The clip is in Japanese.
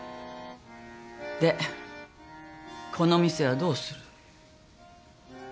でこの店はどうする？